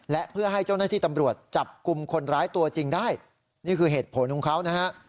และเพื่อให้เจ้าหน้าที่ตำรวจจับกลุ่มคนร้ายตัวจริงได้นี่คือเหตุผลของเขานะฮะ